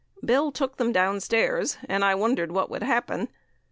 'Bill' took them downstairs, and I wondered what would happen!